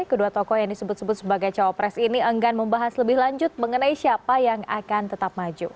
kedua tokoh yang disebut sebut sebagai cawapres ini enggan membahas lebih lanjut mengenai siapa yang akan tetap maju